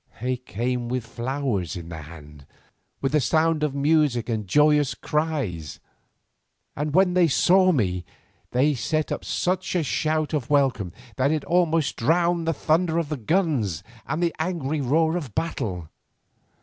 They came with flowers in their hands, with the sound of music and joyous cries, and when they saw me they set up such a shout of welcome that it almost drowned the thunder of the guns and the angry roar of battle.